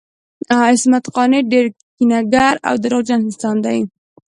عصمت قانع ډیر کینه ګر او درواغجن انسان دی